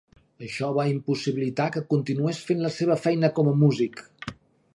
Això va impossibilitar que continués fent la seva feina com a músic.